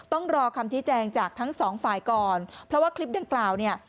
ต้องรอคำชี้แจงจากทั้งสองฝ่ายก่อนเพราะว่าคลิปดังกล่าวเนี่ย